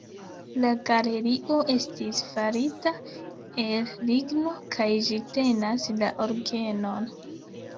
La galerio estis farita el ligno kaj ĝi tenas la orgenon.